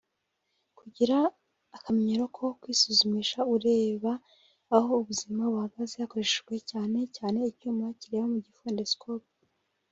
Kugira akamenyero ko kwisuzumisha ureba aho ubuzima buhagaze hakoreshejwe cyane cyane icyuma kireba mu gifu (Endoscope)